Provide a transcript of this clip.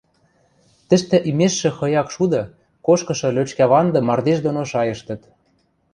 Тӹштӹ имешшӹ хыяк шуды, кошкышы лӧчкӓванды мардеж доно шайыштыт.